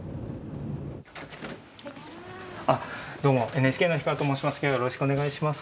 どうもＮＨＫの樋川と申します。